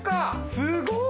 すごい！